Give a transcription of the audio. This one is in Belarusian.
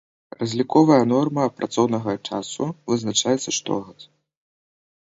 Разліковая норма працоўнага часу вызначаецца штогод.